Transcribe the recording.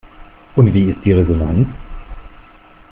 Und wie ist die Resonanz?